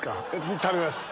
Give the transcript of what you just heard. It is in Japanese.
食べます。